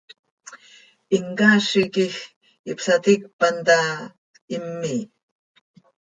Him caazi quij ihpsaticpan taa, him miih.